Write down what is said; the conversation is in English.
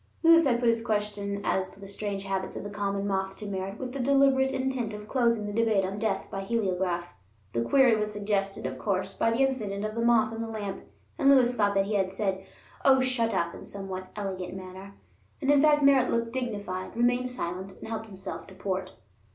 Lewis had put his question as to the strange habits of the common moth to Merritt with the deliberate intent of closing the debate on death by heliograph. The query was suggested, of course, by the incident of the moth in the lamp, and Lewis thought that he had said, "Oh, shut up!" in a somewhat elegant manner. And, in fact Merritt looked dignified, remained silent, and helped himself to port.